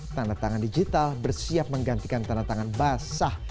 tanda tangan digital bersiap menggantikan tanda tangan basah